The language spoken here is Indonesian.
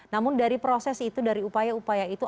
namun dari proses itu dari upaya upaya itu